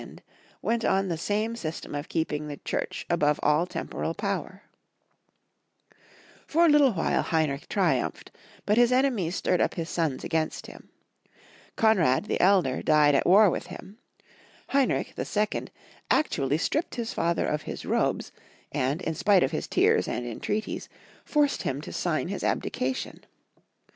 went on the same system of keeping the Church above all temporal power. Heinrich V. 115 For a little while Heinrich triumphed, but his enemies stirred up his sons against him. Konr^d, the elder, died at war with him; Heinrich, the second, actually stripped his father of his robes, and, in spite of his tears and entreaties, forced him to sign his abdication.